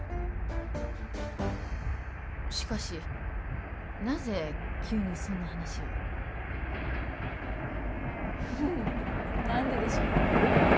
しかしなぜ急にそんな話をフフッ何ででしょう